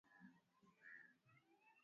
Batoto bote ba kuku banaenda na nvula